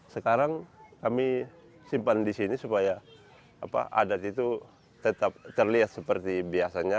sekarang kami simpan di sini supaya adat itu tetap terlihat seperti biasanya